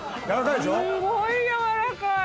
すごい軟らかい！